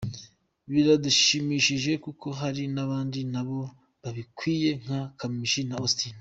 Biradushimishije kuko hari n’abandi nabo babikwiye nka Kamichi na Austin”.